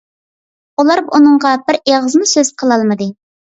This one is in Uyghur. ئۇلار ئۇنىڭغا بىر ئېغىزمۇ سۆز قىلالمىدى.